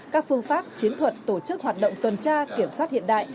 các phương pháp chiến thuật tổ chức hoạt động tuần tra kiểm soát hiện đại